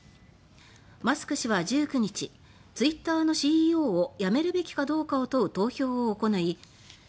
マスク氏は１９日ツイッターのＣＥＯを辞めるべきかどうかを問う投票を行いました。